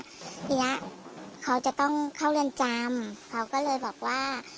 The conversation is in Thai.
ทีนี้เขาจะต้องเข้าเรือนจำเขาก็เลยบอกว่า